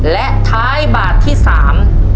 และท้ายบาทที่สาม